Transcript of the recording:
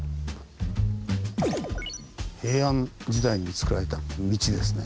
平安時代につくられた道ですね。